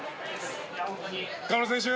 河村選手。